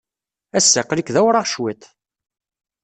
Ass-a, aql-ik d awraɣ cwiṭ.